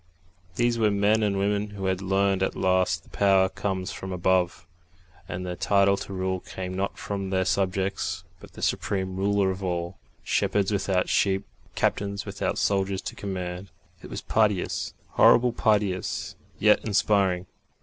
These were men and women who had learned at last that power comes from above, and their title to rule came not from their subjects but from the Supreme Ruler of all shepherds without sheep, captains without soldiers to command. It was piteous horribly piteous, yet inspiring.